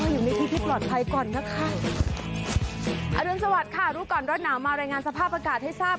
อยู่ในที่ที่ปลอดภัยก่อนนะคะอรุณสวัสดิ์ค่ะรู้ก่อนร้อนหนาวมารายงานสภาพอากาศให้ทราบ